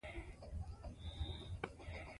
د خصوصي سکتور ملاتړ د دولت مسوولیت دی.